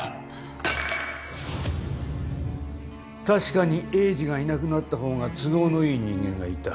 確かに栄治がいなくなった方が都合のいい人間がいた。